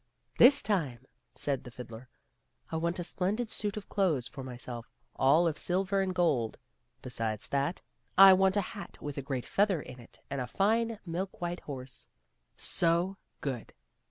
" This time," said the fiddler, " I want a splendid suit of clothes for myself, all of silver and gold ; besides that, I want a hat with a great feather in it and a fine milk white horse. So ; good